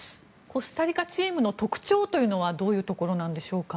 コスタリカチームの特徴はどういうところなんでしょうか。